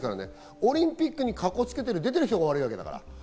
オリンピックにかこつけて外に出てる人が悪いんですから。